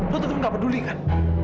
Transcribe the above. lo tetep gak peduli kan